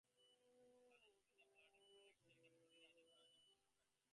ছাদে সুচিত্রার ফ্ল্যাটের ওপরের অংশে একটি মন্দিরে আয়োজন করা হয়েছিল পারলৌকিক কাজ।